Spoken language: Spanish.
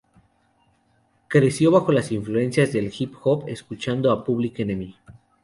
Creció bajo las influencias del Hip-hop escuchando a Public Enemy.